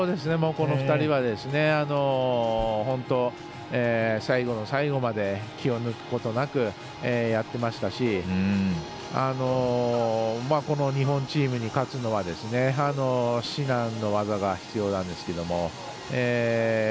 この２人は最後の最後まで気を抜くことなくやってましたしこの日本チームに勝つのは至難の業が必要なんですけど。